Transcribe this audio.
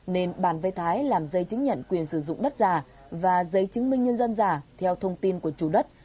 nên bàn về thái làm giấy chứng nhận quyền sử dụng đất giả và giấy chứng minh nhân dân giả theo thông tin của chủ đất